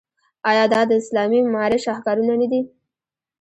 آیا دا د اسلامي معمارۍ شاهکارونه نه دي؟